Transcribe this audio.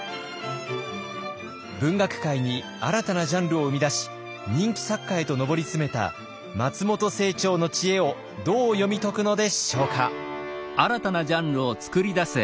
文学界に新たなジャンルを生み出し人気作家へと上り詰めた松本清張の知恵をどう読み解くのでしょうか。